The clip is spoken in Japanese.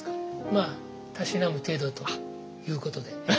まあたしなむ程度ということで。